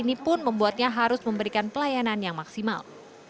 ini pun membuatnya harus memberikan pelayanan yang maksimal